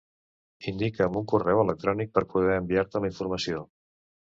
Indica'm un correu electrònic per poder enviar-te la informació.